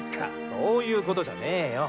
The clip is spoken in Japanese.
そういうことじゃねぇよ。